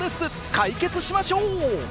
解決しましょう！